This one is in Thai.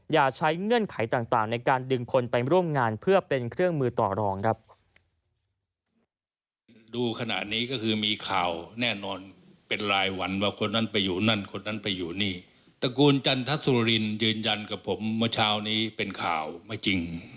อย่าใช้เงื่อนไขต่างในการดึงคนไปร่วมงานเพื่อเป็นเครื่องมือต่อรองครับ